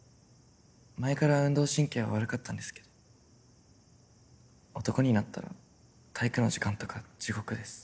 前から運動神経悪かったんですけど男になったら体育の時間とか地獄です。